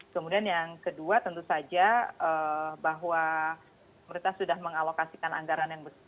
kemudian yang kedua tentu saja bahwa pemerintah sudah mengalokasikan anggaran yang besar